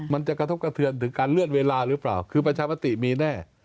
มันจะกระทบกระเทือนถึงการเลื่อนเวลาหรือเปล่าคือประชามติมีแน่